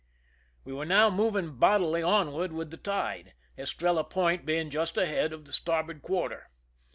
We were now moving bodily onward with the tide, Estrella Point being just ahead of the star board quarter.